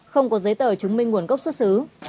không có giấy tờ chứng minh nguồn gốc xuất xứ